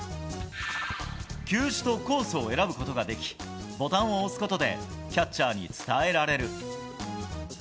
球種とコースを選ぶことができ、ボタンを押すことで、キャッチャーに伝えられる。